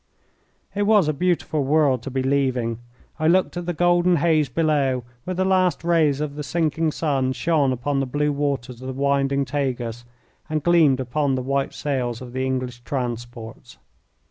It was a beautiful world to be leaving. I looked at the golden haze below, where the last rays of the sinking sun shone upon the blue waters of the winding Tagus and gleamed upon the white sails of the English transports.